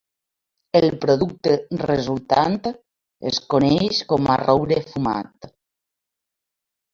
El producte resultant es coneix com a "roure fumat".